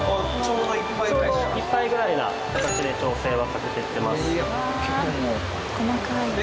ちょうど一杯ぐらいな形で調整はかけていってます。